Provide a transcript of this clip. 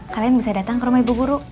kalian bisa datang ke rumah ibu guru